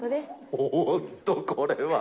おーっと、これは。